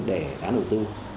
để đáng đầu tư